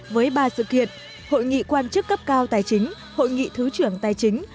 với ba sự kiện hội nghị quan chức cấp cao tài chính hội nghị thứ trưởng tài chính